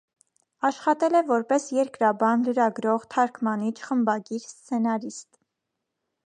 Աշխատել է որպես երկրաբան, լրագրող, թարգմանիչ, խմբագիր, սցենարիստ։